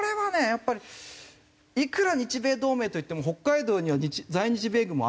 やっぱりいくら日米同盟といっても北海道には在日米軍もありませんしね。